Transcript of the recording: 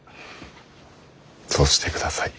そうしてください。